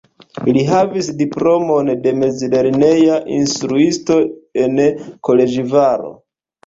Li havigis diplomon de mezlerneja instruisto en Koloĵvaro.